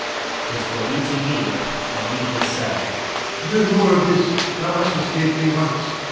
'Tis for thee to yield and leave this cell. Rod. No more of this, thou hast escaped me once.